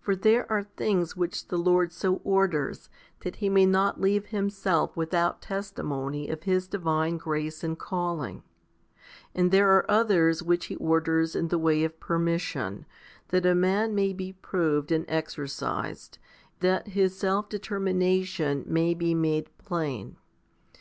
29. For there are things which the Lord so orders that He may not leave Himself without testimony of His divine grace and calling ; and there are others which He orders in the way of permission, that a man may be proved and exercised, that his self determination may be made plain.